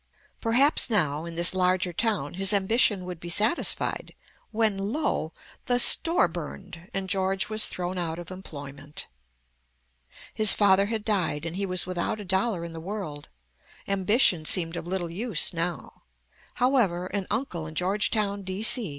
Perhaps now in this larger town his ambition would be satisfied, when, lo! the store burned, and George was thrown out of employment. His father had died, and he was without a dollar in the world. Ambition seemed of little use now. However, an uncle in Georgetown, D.C.